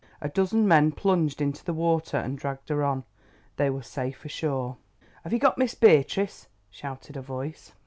A dozen men plunged into the water and dragged her on. They were safe ashore. "Have you got Miss Beatrice?" shouted a voice.